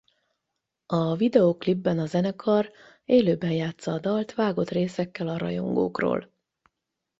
A videóklipben a zenekar élőben játssza a dalt vágott részekkel a rajongókról.